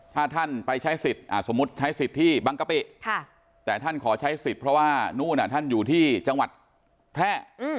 ถ้าท่านไปใช้สิทธิ์สมมุติใช้สิทธิ์ที่บังกะปิแต่ท่านขอใช้สิทธิ์เพราะว่านู่นท่านอยู่ที่จังหวัดแพร่